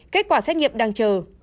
kết quả xét nghiệm đang chờ